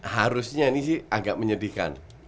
harusnya ini sih agak menyedihkan